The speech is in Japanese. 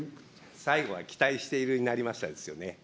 最後は期待しているになりましたですよね。